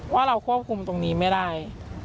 ว่าเราควบคุมตรงนี้ไม่ได้